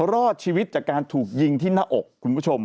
รอดชีวิตจากการถูกยิงที่หน้าอกคุณผู้ชม